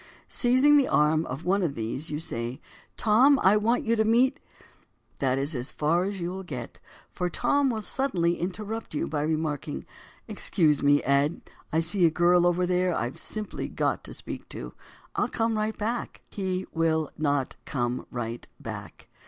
Seizing the arm of one of these you say, "Tom, I want you to meet——" That is as far as you will get, for Tom will suddenly interrupt you by remarking, "Excuse me a minute, Ed—, I see a girl over there I've simply got to speak to. I'll come right back." He will not come right back.